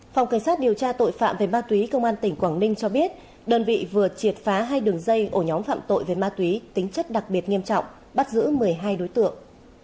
phòng cảnh sát điều tra tội phạm về ma túy công an tỉnh quảng ninh cho biết đơn vị vừa triệt phá hai đường dây ổ nhóm phạm tội về ma túy tính chất đặc biệt nghiêm trọng bắt giữ một mươi hai đối tượng